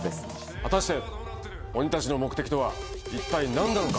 果たして鬼たちの目的とは一体何なのか？